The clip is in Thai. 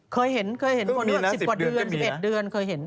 เคยเห็นเคยเห็น๑๐ประมาณเดือน๑๑เดือน